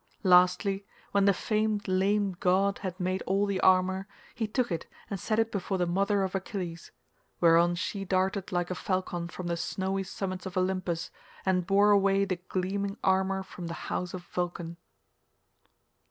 Lastly, when the famed lame god had made all the armour, he took it and set it before the mother of Achilles; whereon she darted like a falcon from the snowy summits of Olympus and bore away the gleaming armour from the house of Vulcan.